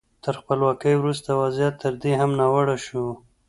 تر خپلواکۍ وروسته وضعیت تر دې هم ناوړه شو.